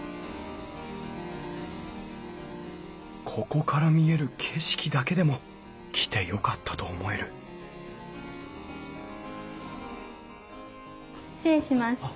ここから見える景色だけでも来てよかったと思える失礼します。